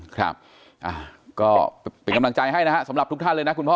ครับเป็นกำลังใจให้ทุกท่านเลยนะคุณพ่อ